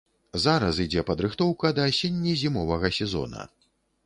Зараз ідзе падрыхтоўка да асенне-зімовага сезона.